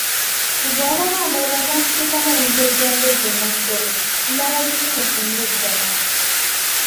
Mu bawala ba Ndawula mwasitukamu Omumbejja Ndege Nassolo, n'aba mututumufu nnyo ddala.